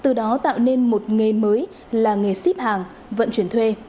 từ đó tạo nên một nghề mới là nghề ship hàng vận chuyển thuê